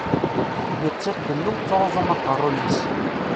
Nettat tennum ttruzum aqerruy-is.